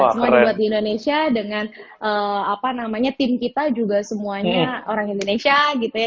semua dibuat di indonesia dengan apa namanya tim kita juga semuanya orang indonesia gitu ya